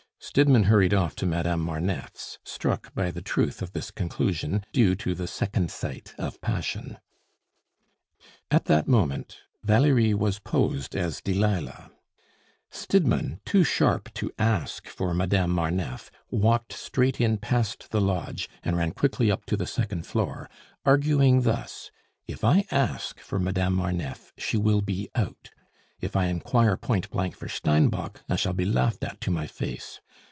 Stidmann hurried off to Madame Marneffe's, struck by the truth of this conclusion, due to the second sight of passion. At that moment Valerie was posed as Delilah. Stidmann, too sharp to ask for Madame Marneffe, walked straight in past the lodge, and ran quickly up to the second floor, arguing thus: "If I ask for Madame Marneffe, she will be out. If I inquire point blank for Steinbock, I shall be laughed at to my face.